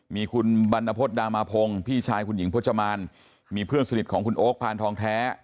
มีคุณบรรณพฤษดามาพงศ์พี่ชายคุณหญิงพจมานมีเพื่อนสนิทของคุณโอ๊คพานทองแท้